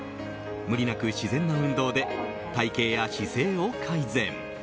無理なく自然な運動で体形や姿勢を改善。